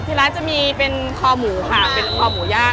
ที่ร้านจะมีเป็นคอหมูค่ะเป็นคอหมูย่าง